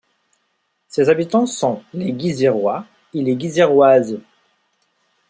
Ses habitants sont les Guizièrois et les Guizièroises.